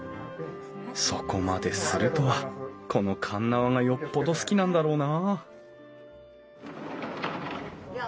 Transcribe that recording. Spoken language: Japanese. そこまでするとはこの鉄輪がよっぽど好きなんだろうなあ